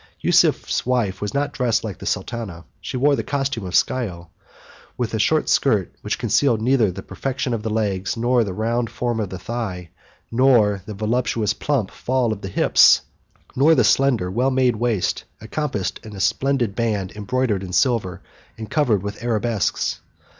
Yusuf's wife was not dressed like a sultana; she wore the costume of Scio, with a short skirt which concealed neither the perfection of the leg nor the round form of the thigh, nor the voluptuous plump fall of the hips, nor the slender, well made waist encompassed in a splendid band embroidered in silver and covered with arabesques.